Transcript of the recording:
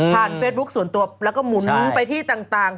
เฟซบุ๊คส่วนตัวแล้วก็หมุนไปที่ต่าง